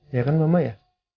ya kan mama